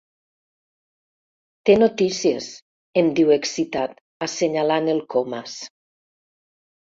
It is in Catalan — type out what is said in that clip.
Té notícies —em diu excitat, assenyalant el Comas.